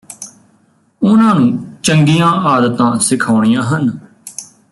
ਉਨ੍ਹਾਂ ਨੂੰ ਚੰਗੀਆਂ ਆਦਤਾਂ ਸਿਖਾਉਣੀਆਂ ਹਨ